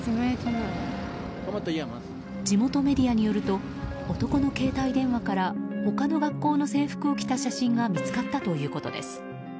地元メディアによると男の携帯電話から他の学校の制服を着た写真が見つかったということです。